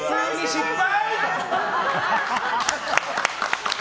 失敗！